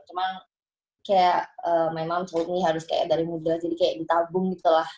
cuma kayak memang full ini harus kayak dari muda jadi kayak ditabung gitu lah